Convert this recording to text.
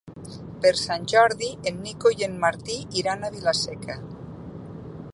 Per Sant Jordi en Nico i en Martí iran a Vila-seca.